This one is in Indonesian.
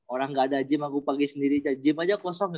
orang ga ada gym aku pake sendiri aja gym aja kosong ya